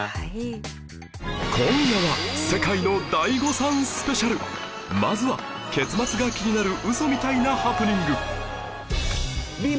今夜はまずは結末が気になるウソみたいなハプニング